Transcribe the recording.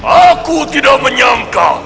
aku tidak menyangka